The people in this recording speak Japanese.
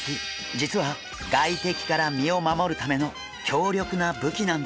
実は外敵から身を守るための強力な武器なんです。